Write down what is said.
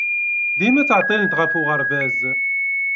Dima ttɛeḍḍilent ɣef uɣerbaz.